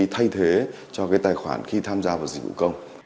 thay thế cho tài khoản khi tham gia vào dịch vụ công